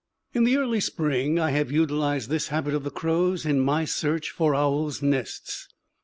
In the early spring I have utilized this habit of the crows in my search for owls' nests.